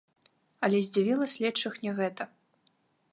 Але здзівіла следчых не гэта.